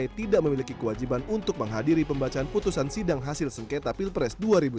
pt tidak memiliki kewajiban untuk menghadiri pembacaan putusan sidang hasil sengketa pilpres dua ribu sembilan belas